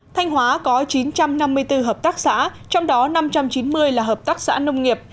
thanh hóa có chín trăm năm mươi bốn hợp tác xã trong đó năm trăm chín mươi là hợp tác xã nông nghiệp